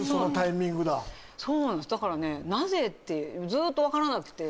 そうなんです、だからなぜって、ずっと分からなくて。